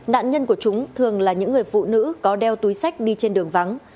nạn nhân của chúng thường là những người phụ nữ có đeo túi sách đi trên đường vắng